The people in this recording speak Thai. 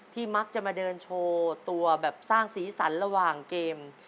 มักจะมาเดินโชว์ตัวแบบสร้างสีสันระหว่างเกม